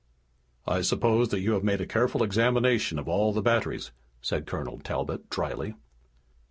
"I suppose that you have made a careful examination of all the batteries," said Colonel Talbot dryly.